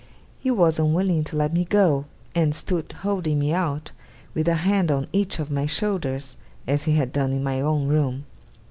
He was unwilling to let me go; and stood, holding me out, with a hand on each of my shoulders, as he had done in my own room.